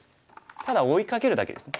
ただ追いかけるだけですね。